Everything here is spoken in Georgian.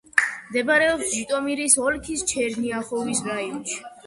მდებარეობს ჟიტომირის ოლქის ჩერნიახოვის რაიონში.